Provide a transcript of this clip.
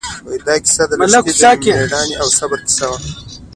دا کیسه د لښتې د مېړانې او صبر کیسه وه.